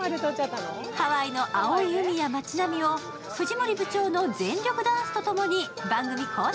ハワイのノ青い海や街並みを藤森部長の全力ダンスとともに番組公式